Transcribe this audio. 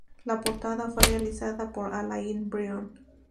La portada fue realizada por Alain Brion.